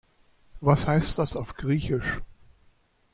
Was heißt das auf Griechisch?